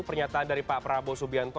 pernyataan dari pak prabowo subianto